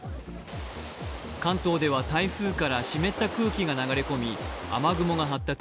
関東では台風から湿った空気が流れ込み、雨雲が発達。